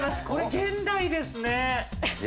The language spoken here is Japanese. これ、現代ですね。